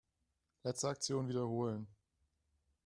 Letzte Aktion wiederholen.